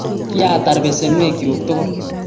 kiatar besenwek chu tugul.